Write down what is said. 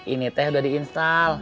ini teh udah diinstal